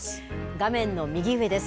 画面の右上です。